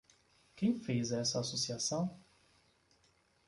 Quem fez essa associação?